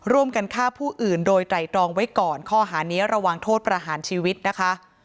ร่วมกันฆ่าผู้อื่นโดยไตรตรองไว้ก่อนข้อหานี้ระวังโทษประหารชีวิตนะคะ